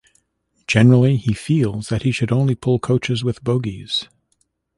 Generally, he feels that he should only pull coaches with bogies.